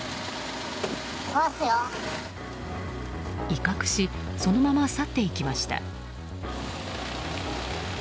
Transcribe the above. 威嚇しそのまま去っていきました。